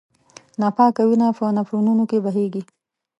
ناپاکه وینه په نفرونونو کې بهېږي.